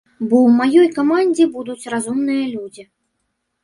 Бо ў маёй камандзе будуць разумныя людзі.